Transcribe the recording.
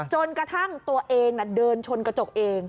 จนกระทั่งตัวเองเดินชนกระจกเอง